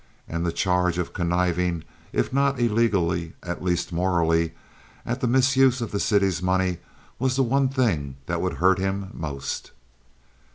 And the charge of conniving, if not illegally, at least morally, at the misuse of the city's money was the one thing that would hurt him most.